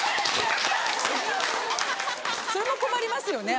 それも困りますよね